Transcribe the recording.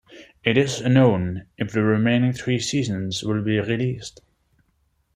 It is unknown if the remaining three seasons will be released.